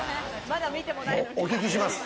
お聞きします。